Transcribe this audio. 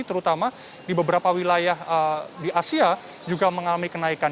terutama di beberapa wilayah di asia juga mengalami kenaikan